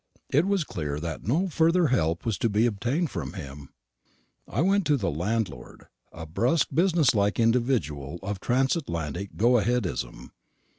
It was clear that no further help was to be obtained from him. I went to the landlord a brisk business like individual of Transatlantic goaheadism.